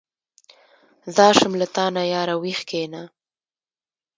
ځار شم له تانه ياره ویښ کېنه.